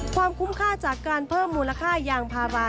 ความคุ้มค่าจากการเพิ่มมูลค่ายางพารา